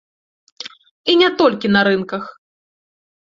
І не толькі на рынках.